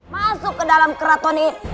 masuk ke dalam keraton ini